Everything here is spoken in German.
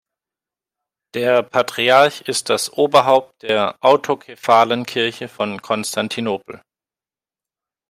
Der Patriarch ist das Oberhaupt der autokephalen Kirche von Konstantinopel.